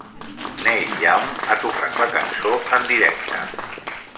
Neil Young ha tocat la cançó en directe.